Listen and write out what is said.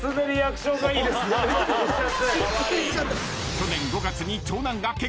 ［去年５月に長男が結婚］